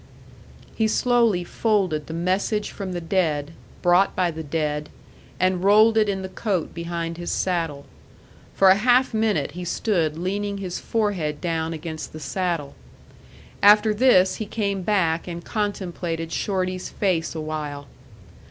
He slowly folded the message from the dead, brought by the dead, and rolled it in the coat behind his saddle. For a half minute he stood leaning his forehead down against the saddle. After this he came back and contemplated Shorty's face awhile.